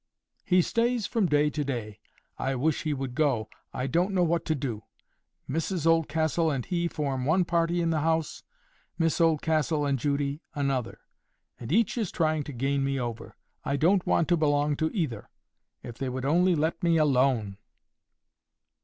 "He stays from day to day. I wish he would go. I don't know what to do. Mrs Oldcastle and he form one party in the house; Miss Oldcastle and Judy another; and each is trying to gain me over. I don't want to belong to either. If they would only let me alone!"